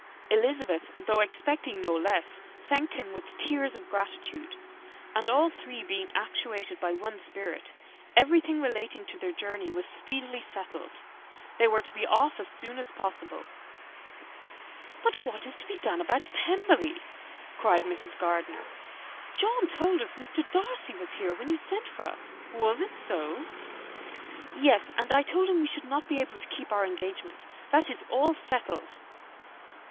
Elizabeth, though expecting no less, thanked him with tears of gratitude; and all three being actuated by one spirit, everything relating to their journey was speedily settled. They were to be off as soon as possible. "But what is to be done about Pemberley?" cried Mrs. Gardiner. "John told us Mr. Darcy was here when you sent for us; was it so?" "Yes; and I told him we should not be able to keep our engagement. That is all settled."